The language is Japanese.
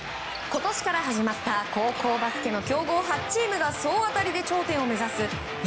今年から始まった高校バスケの強豪８チームが総当たりで頂点を目指すＵ１８